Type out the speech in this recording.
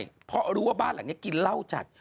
ควรรู้ว่าบ้านแหละเนี่ยกินเหล้าจัด